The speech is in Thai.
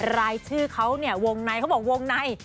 รายชื่อเขาเนี่ยบอกวงนัย